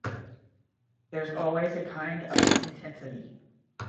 There’s always a kind of intensity.